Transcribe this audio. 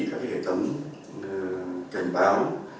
các hệ tấm cảnh báo